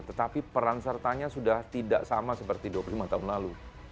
tetapi peran sertanya sudah tidak sama seperti dua puluh lima tahun lalu